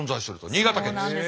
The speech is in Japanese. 新潟県です。